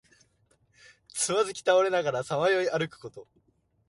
つまずき倒れながらさまよい歩くこと。